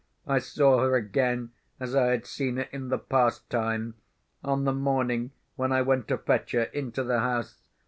I saw her again as I had seen her in the past time—on the morning when I went to fetch her into the house.